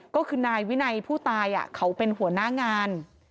ก็คือนายวินัยผู้ตายเขาเป็นหัวหน้างาน